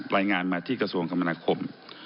รายงานมาที่กระทรวงคมนาคม